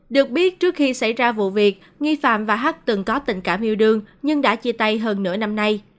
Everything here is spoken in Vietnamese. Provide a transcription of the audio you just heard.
được biết trước khi xảy ra vụ việc nghi phạm và h từng có tình cảm yêu đương nhưng đã chia tay hơn nửa năm nay